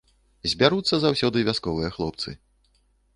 Збяруцца заўсёды вясковыя хлопцы.